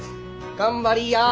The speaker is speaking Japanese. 頑張りや。